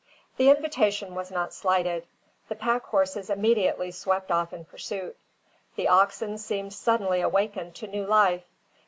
The invitation was not slighted. The pack horses immediately swept off in pursuit. The oxen seemed suddenly awakened to new life.